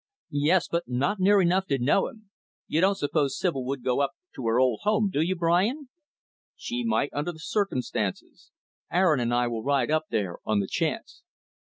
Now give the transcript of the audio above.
"Yes, but not near enough to know him. You don't suppose Sibyl would go up to her old home do you, Brian?" "She might, under the circumstances. Aaron and I will ride up there, on the chance."